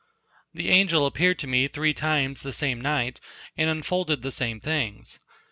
The angel appeared to me three times the same night and unfolded the same things.